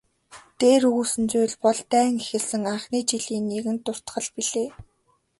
Дээр өгүүлсэн зүйл бол дайн эхэлсэн анхны жилийн нэгэн дуртгал билээ.